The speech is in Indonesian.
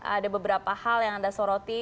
ada beberapa hal yang anda soroti